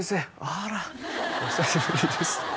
あらお久しぶりです